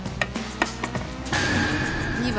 ２番。